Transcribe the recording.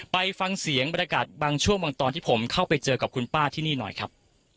ไปฟังเสียงบรรยากาศบางช่วงบางตอนที่ผมเข้าไปเจอกับคุณป้าที่นี่หน่อยครับ